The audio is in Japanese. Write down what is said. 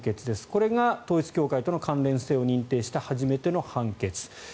これが統一教会との関連性を認定した初めての判決。